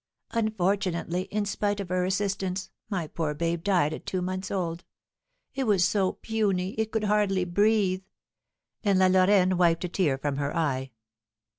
Unfortunately, in spite of her assistance, my poor babe died at two months old. It was so puny, it could hardly breathe!" and La Lorraine wiped a tear from her eye.